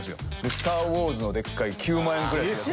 『スター・ウォーズ』のでっかい９万円ぐらいするやつ。